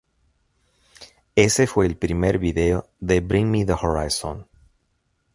Ese fue el primer video de Bring Me the Horizon.